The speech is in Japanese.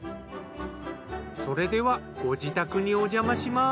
それではご自宅におじゃまします。